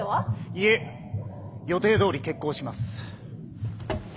いえ予定どおり決行します。